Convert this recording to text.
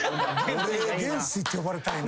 俺元帥って呼ばれたいな。